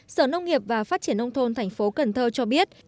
sở nông nghiệp và phát triển nông thôn thành phố cần thơ cho biết